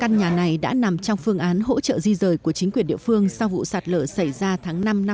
căn nhà này đã nằm trong phương án hỗ trợ di rời của chính quyền địa phương sau vụ sạt lở xảy ra tháng năm năm hai nghìn hai mươi